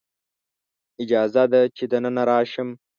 اجازه ده چې دننه راشم؟